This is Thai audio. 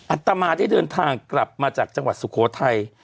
ัตมาได้เดินทางกลับมาจากจังหวัดสุโขทัย